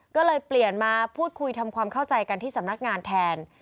ก็เลยเปลี่ยนมาพูดคุยทำความเข้าใจกันที่สำนักงานแทน